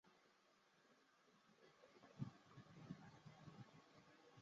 直茎鼠曲草为菊科鼠曲草属下的一个种。